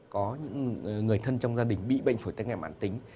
có những người thân trong gia đình bị bệnh phổi tắc nghén mạng tính